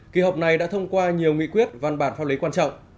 kỳ họp này đã thông qua nhiều nghị quyết văn bản pháp lý quan trọng